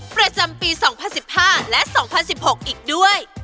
ประจำปี๒๐๑๕และ๒๐๑๖อีกด้วย